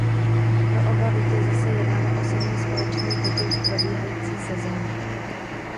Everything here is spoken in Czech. Pro oba vítěze se jednalo o sedmý společný titul v probíhající sezóně.